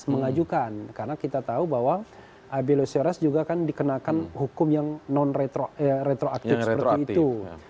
mengajukan karena kita tahu bahwa abelo syores juga kan dikenakan hukum yang non retroaktif seperti itu